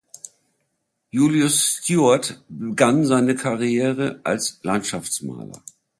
Julius Stewart begann seine Karriere als Landschaftsmaler.